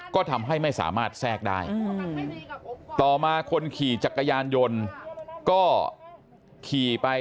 ก็ทำให้ไม่สามารถแทรกได้ต่อมาคนขี่จักรยานยนต์ก็ขี่ไป